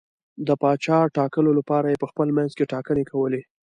د پاچا ټاکلو لپاره یې په خپل منځ کې ټاکنې کولې.